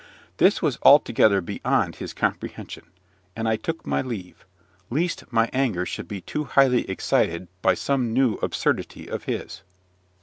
This was altogether beyond his comprehension; and I took my leave, lest my anger should be too highly excited by some new absurdity of his.